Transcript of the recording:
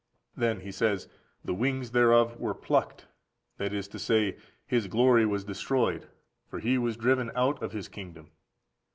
Then he says, "the wings thereof were plucked," that is to say, his glory was destroyed; for he was driven out of his kingdom.